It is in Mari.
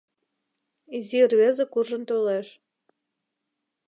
Изи рвезе куржын толеш.